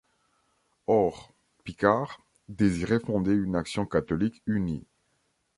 Or, Picard, désirait fonder une Action Catholique unie.